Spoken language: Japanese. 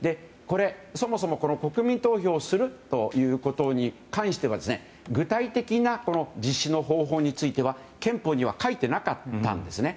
そもそも、国民投票をするということに関しては具体的な実施の方法については憲法には書いていなかったんですね。